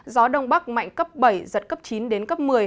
gió đông bắc mạnh cấp bảy giật cấp chín đến cấp một mươi